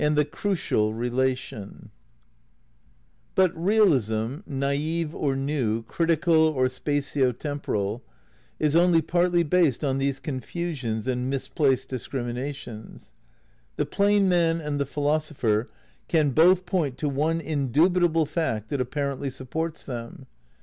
HI But realism, naif or new, critical or spatio temporal, ^per ^^°^^^ partly based on these confusions and misplaced ceived discriminations. The plain man and the philosopher ^^'^^ can both point to one indubitable fact that apparently Crucial supports them.